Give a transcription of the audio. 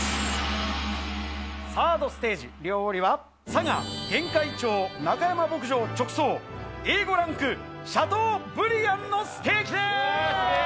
サードステージ、料理は佐賀・玄海町、中山牧場直送、Ａ５ランクシャトーブリアンのステーキ！